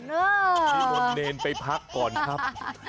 นี่หมดเนรไปพักก่อนครับ